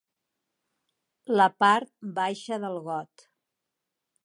La part baixa del got.